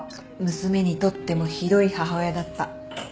娘にとってもひどい母親だった。